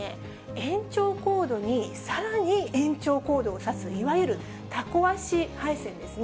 延長コードに、さらに延長コードを差す、いわゆるタコ足配線ですね。